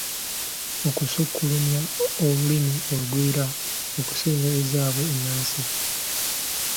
Okusukulumya olulimi olugwira okusinga ezaabwe ennaansi.